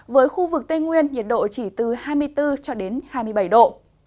với khu vực tây nguyên nhiệt độ chỉ từ hai mươi bốn cho đến hai mươi bảy độ